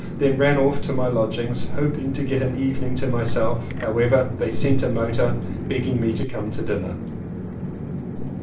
Then ran off to my lodgings, hoping to get an evening to myself; however, they sent a motor, begging me to come to dinner.